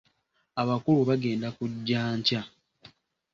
Abakulu bagenda kuggya nkya.